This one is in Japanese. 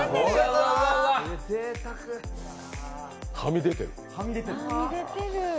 はみ出てる。